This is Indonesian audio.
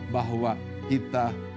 bahwa kita harus memiliki perubahan